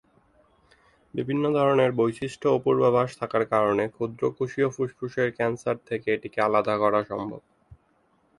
ভিন্ন ধরনের বৈশিষ্ট ও পূর্বাভাস থাকার কারণে ক্ষুদ্র কোষীয় ফুসফুসের ক্যান্সার থেকে এটিকে আলাদা করা সম্ভব।